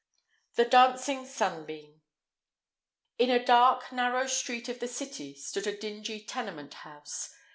THE DANCING SUNBEAM. In a dark, narrow street of the city stood a dingy tenement house.